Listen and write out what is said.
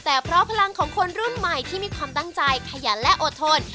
แต่เพราะพลังของคนรุ่นใหม่ที่มีความตั้งใจขยันและอดทน